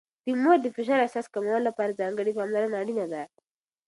د مور د فشار احساس کمولو لپاره ځانګړې پاملرنه اړینه ده.